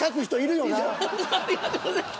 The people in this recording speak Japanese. ありがとうございます。